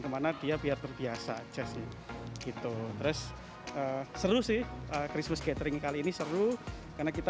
kemana dia biar terbiasa aja sih gitu terus seru sih christmas gathering kali ini seru karena kita